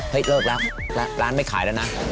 เลิกแล้วร้านไม่ขายแล้วนะ